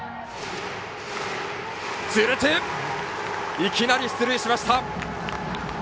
いきなり出塁しました。